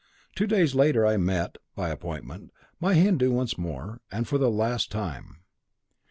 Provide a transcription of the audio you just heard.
Two days later I met, by appointment, my Hindu once more, and for the last time.